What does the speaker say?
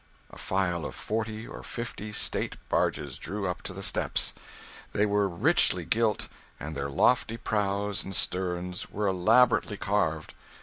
A file of forty or fifty state barges drew up to the steps. They were richly gilt, and their lofty prows and sterns were elaborately carved.